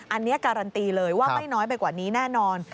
อันนี้การันตีเลยว่าไม่น้อยไปกว่านี้แน่นอน